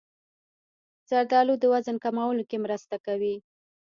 زردالو د وزن کمولو کې مرسته کوي.